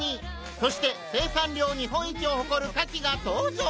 そして生産量日本一を誇る「カキ」が登場！